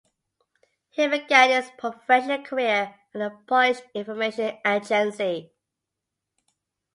He began his professional career at the Polish Information Agency.